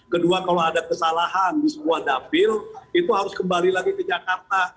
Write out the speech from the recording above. kedua kalau ada kesalahan di sebuah dapil itu harus kembali lagi ke jakarta